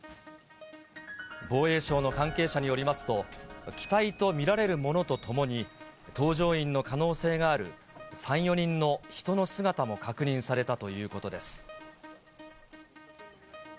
防衛省の関係者によりますと、機体と見られるものとともに、搭乗員の可能性がある３、４人の人の姿も確認されたということです。